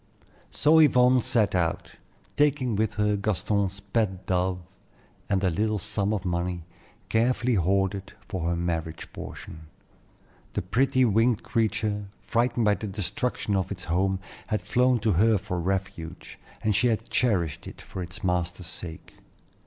So Yvonne set out, taking with her Gaston's pet dove and the little sum of money carefully hoarded for her marriage portion. The pretty winged creature, frightened by the destruction of its home, had flown to her for refuge, and she had cherished it for its master's sake.